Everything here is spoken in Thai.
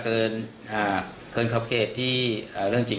แต่ก็คิดว่าเป็นใครหรอก